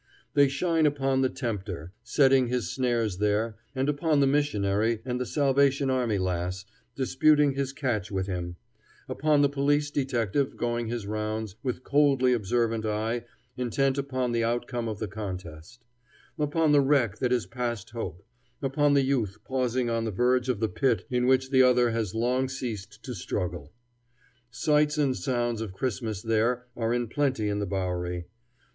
They shine upon the tempter, setting his snares there, and upon the missionary and the Salvation Army lass, disputing his catch with him; upon the police detective going his rounds with coldly observant eye intent upon the outcome of the contest; upon the wreck that is past hope, and upon the youth pausing on the verge of the pit in which the other has long ceased to struggle. Sights and sounds of Christmas there are in plenty in the Bowery.